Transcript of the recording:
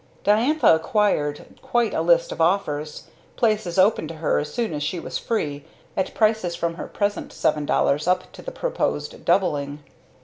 Diantha acquired quite a list of offers; places open to her as soon as she was free; at prices from her present seven dollars up to the proposed doubling.